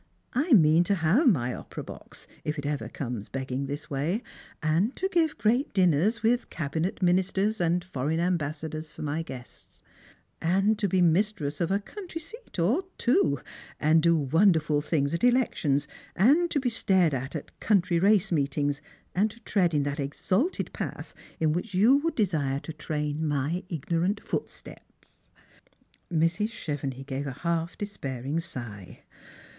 I mean to have my opera box, if it ever comes begging this way, and to give great dinners, with cabinet ministers and foreign ambassadors for my guests, and to be mistress of a country seat or two, and do wonderful things at elections, and to be stared at at country race meetings, and to tread in that exalted path in which you would desire to train my ignorant footstep. Mrs. Chevenix gave a half despairing sigh.